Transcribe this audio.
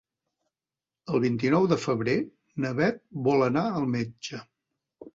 El vint-i-nou de febrer na Bet vol anar al metge.